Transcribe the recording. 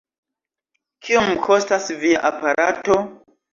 Kiom kostas via aparato?